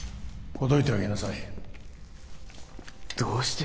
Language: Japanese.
ほどいてあげなさいどうして？